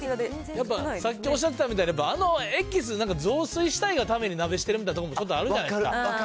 やっぱさっきおっしゃってたみたいに、あのエキス、なんか雑炊したいがために鍋してるみたいなとこあるじゃないですか。